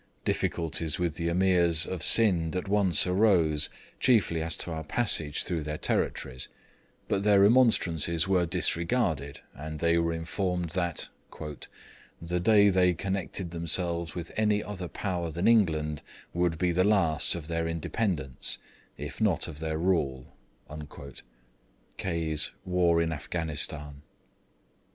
Difficulties with the Ameers of Scinde at once arose, chiefly as to our passage through their territories; but their remonstrances were disregarded, and they were informed that 'the day they connected themselves with any other Power than England would be the last of their independence, if not of their rule.' [Footnote: Kaye's War in Afghanistan.